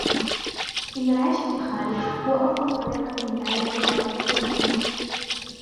إن العيش في الخارج هو أفضل طريقة لتعلم لغة أجنبية.